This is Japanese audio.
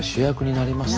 なりますね。